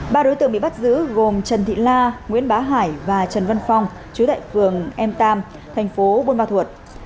ba đối tượng bị bắt giữ gồm trần thị la nguyễn bá hải và trần văn phong chứa tại phường m ba thành phố buôn hoa thuột